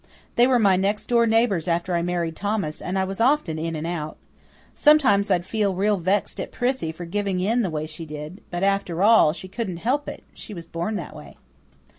They were my next door neighbours after I married Thomas, and I was often in and out. Sometimes I'd feel real vexed at Prissy for giving in the way she did; but, after all, she couldn't help it she was born that way.